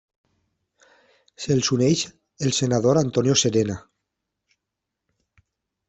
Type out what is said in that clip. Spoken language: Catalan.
Se’ls uneix el senador Antonio Serena.